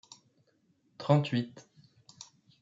trente-huit